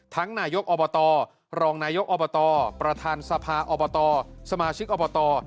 นายกอบตรองนายกอบตประธานสภาอบตสมาชิกอบต